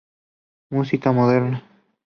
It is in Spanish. Música moderna